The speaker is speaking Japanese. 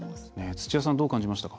土屋さんどう感じましたか。